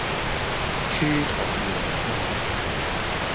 趨同演化